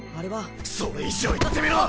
それ以上言ってみろ！